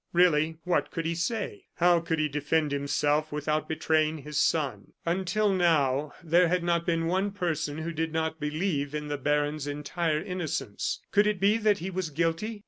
Really, what could he say? How could he defend himself without betraying his son? Until now there had not been one person who did not believe in the baron's entire innocence. Could it be that he was guilty?